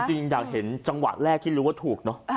จริงอยากเห็นจังหวะแรกที่รู้ว่าถูกเนอะ